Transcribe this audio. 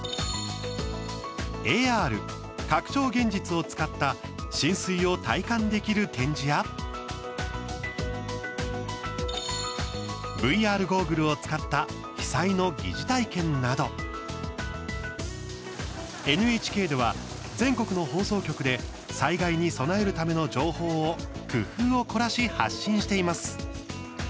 ＡＲ＝拡張現実を使った浸水を体感できる展示やＶＲゴーグルを使った被災の疑似体験などＮＨＫでは全国の放送局で災害に備えるための情報を工夫を凝らし発信しています。